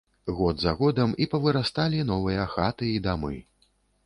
Год за годам і павырасталі новыя хаты і дамы.